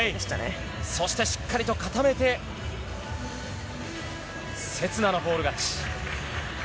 そしてしっかりと固めて、刹那のフォール勝ち。